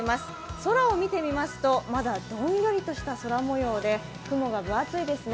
空を見てみますと、まだどんよりとした空模様で雲が分厚いですね。